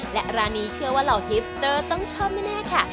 และร้านนี้เชื่อว่าเหล่าฮิปสเตอร์ต้องชอบแน่ค่ะ